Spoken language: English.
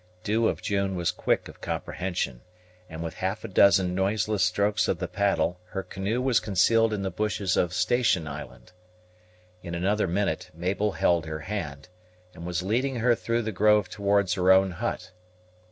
Dew of June was quick of comprehension; and with half a dozen noiseless strokes of the paddles, her canoe was concealed in the bushes of Station Island. In another minute, Mabel held her hand, and was leading her through the grove towards her own hut.